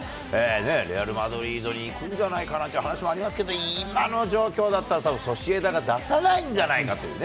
レアル・マドリードに行くんじゃないかなんて話もありますけれども、今の状況だったら、たぶんソシエダが出さないんじゃないかっていうね。